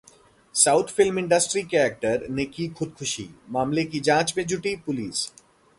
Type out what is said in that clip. south film industry के actor ने की खुदकुशी, मामले की जांच में जुटी पुलिस